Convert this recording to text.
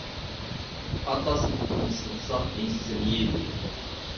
Aṭas n temseḍṣa i yessen Yidir.